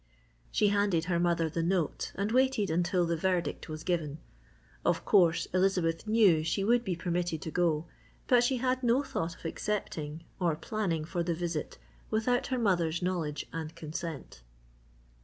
She handed her mother the note and waited until the verdict was given. Of course, Elizabeth knew she would be permitted to go but she had no thought of accepting, or planning for the visit without her mother's knowledge and consent.